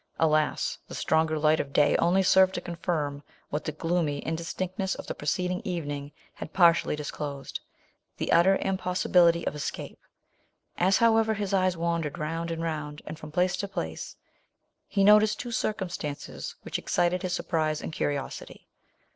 Alas ! the stronger light of day only served to confirm what the gloomy indis tinctness of the preceding evening had partially disclosed, the utter im possibility of escape. As, however, his eyes wandered round and round, and from place to place, he noticed two circumstances which excited his surprise and curiosity.